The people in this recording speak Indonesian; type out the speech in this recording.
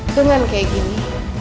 dengan kayak gini